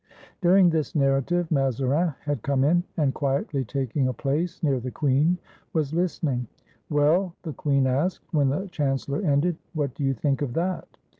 During this narrative Mazarin had come in, and quietly taking a place near the queen was Hstening. "Well," the queen asked, when the chancellor ended, "what do you think of that?"